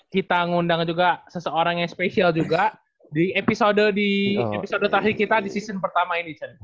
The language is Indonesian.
kita ngundang juga seseorang yang spesial juga di episode di episode hidup hidup kita di season pertama ini cen